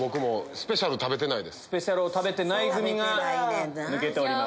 スペシャルメニューを食べてない組が抜けております。